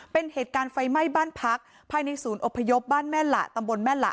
เป็นเหตุการณ์ไฟไหม้บ้านพักภายในศูนย์อพยพบ้านแม่หละตำบลแม่หละ